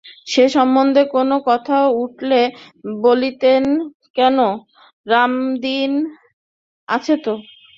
সে সম্বন্ধে কোনো কথা উঠিলে বলিতেন, কেন, রামদীন আছে তো?